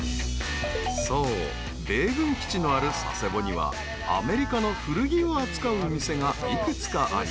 米軍基地のある佐世保にはアメリカの古着を扱う店が幾つかあり］